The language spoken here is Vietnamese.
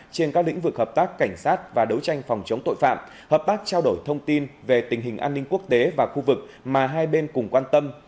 trên các lĩnh vực hợp tác cảnh sát và đấu tranh phòng chống tội phạm hợp tác trao đổi thông tin về tình hình an ninh quốc tế và khu vực mà hai bên cùng quan tâm